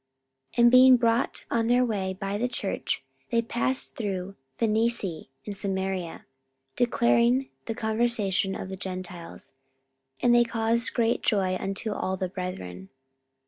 44:015:003 And being brought on their way by the church, they passed through Phenice and Samaria, declaring the conversion of the Gentiles: and they caused great joy unto all the brethren.